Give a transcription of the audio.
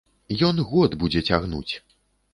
Ён год будзе цягнуць!